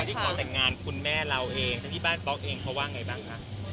ที่เขาแต่งงานคุณแม่เราเองทั้งที่บ้านป๊อกเองเขาว่าไงบ้างคะ